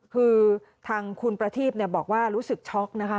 คือทางคุณประทีพบอกว่ารู้สึกช็อกนะคะ